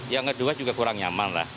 yang kedua juga kurang nyaman lah